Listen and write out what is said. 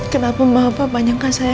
kenapa bapak panjangkan saya